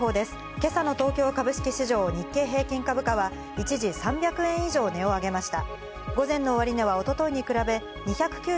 今朝の東京株式市場日経平均株価は、一時３００円以上値を上げました。